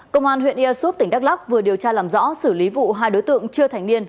công an huyện ia súp tỉnh đắk lắc vừa điều tra làm rõ xử lý vụ hai đối tượng chưa thành niên